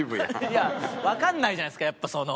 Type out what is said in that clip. いやわかんないじゃないですかやっぱその。